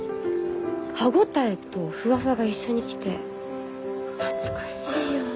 歯応えとフワフワが一緒に来て懐かしいような。